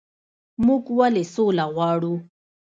موږ ولې سوله غواړو؟